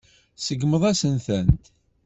Tseggmeḍ-asen-tent.